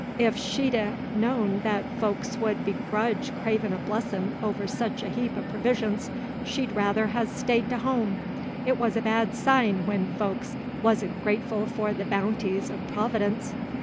"If she'd ha' known that folks would begrutch cravin' a blessin' over sech a heap o' provisions, she'd rather ha' staid t' home. It was a bad sign, when folks was n't grateful for the baounties of Providence."